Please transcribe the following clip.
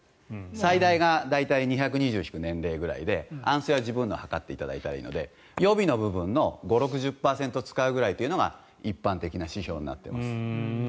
最大が２２０引く年齢で安静は自分のを測っていただいたらいいので予備の部分の５０６０％を使うというのが一般的な指標になっています。